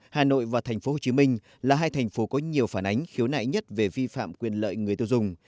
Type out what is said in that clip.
hà nội và tp hcm là hai thành phố có nhiều phản ánh khiếu nại nhất về vi phạm quyền lợi người tiêu dùng